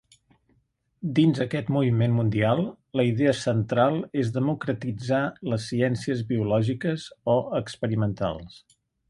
Dins aquest moviment mundial, la idea central és democratitzar les ciències biològiques o experimentals.